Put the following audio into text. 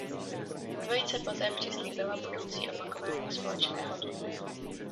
Dvojice poté přislíbila budoucí opakování společného turné.